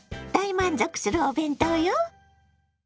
大満足するお弁当よ！